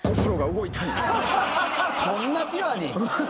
こんなピュアに。